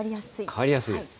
変わりやすいです。